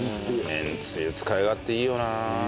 めんつゆ使い勝手いいよな。